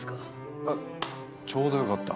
あっちょうどよかった。